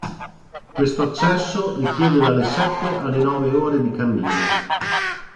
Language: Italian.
Questo accesso richiede dalle sette alle nove ore di cammino.